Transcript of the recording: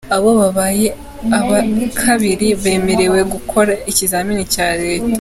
Abo babaye aba kabiri bemerewe gukora ikizamini cya Leta.